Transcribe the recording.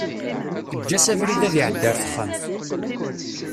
Eǧǧ-as abrid ad iɛeddi ar texxamt.